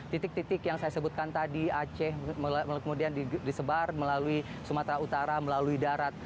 titik titik yang saya sebutkan tadi aceh kemudian disebar melalui sumatera utara melalui darat